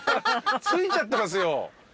着いちゃってますよ。